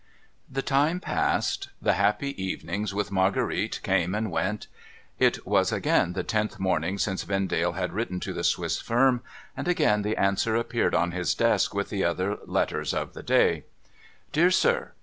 The time passed — the happy evenings with Marguerite came and went. It was again the tenth morning since Vendale had written to the Swiss firm ; and again the answer appeared on his desk with the other letters of the day :' Dear Sir.